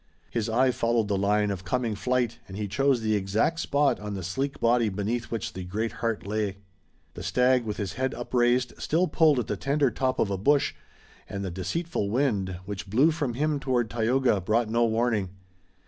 His eye followed the line of coming flight and he chose the exact spot on the sleek body beneath which the great heart lay. The stag, with his head upraised, still pulled at the tender top of a bush, and the deceitful wind, which blew from him toward Tayoga, brought no warning.